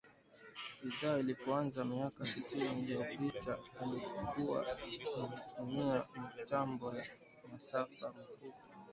Idhaa ilipoanza miaka sitini iliyopita ilikua inatumia mitambo ya masafa mafupi, lakini kutokana na kuendelea kwa teknolojia hivi sasa tunatangaza kupitia redio